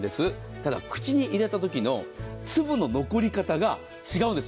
ただ、口に入れたときの粒の残り方が違うんです。